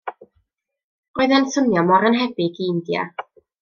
Roedd e'n swnio mor annhebyg i India.